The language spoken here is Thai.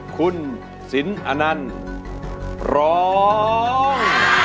คุณสินอนันต์ร้อง